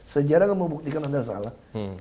sejarah akan membuktikan anda salah